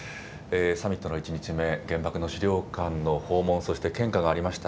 サミットの１日目、原爆の資料館の訪問、そして献花がありました。